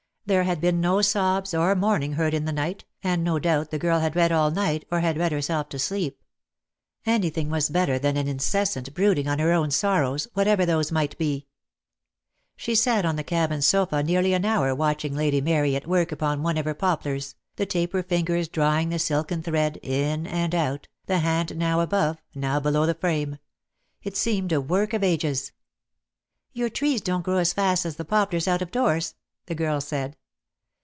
There had been no sobs or moaning heard in the night, and no doubt the girl had read all night, or had read herself to sleep. Anything was better than an incessant brooding on her own sorrows, whatever those might be. She sat on the cabin sofa nearly an hour DEAD LOVE HAS CHAINS. ^'5 watching Lady Mary at work upon one of her poplars, the taper fingers drawing the silken thread in and out, the hand now above, now below the frame. It seemed a work of ages. ■ "Your trees don't grow as fast as the poplars out of doors," the girl said.